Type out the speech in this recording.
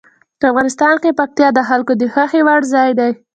افغانستان کې پکتیا د خلکو د خوښې وړ ځای دی.